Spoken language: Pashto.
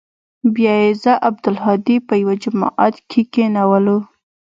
بيا يې زه او عبدالهادي په يوه جماعت کښې کښېنولو.